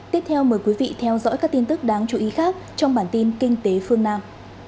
tiếp theo mời quý vị theo dõi các tin tức đáng chú ý khác trong bản tin kinh tế phương nam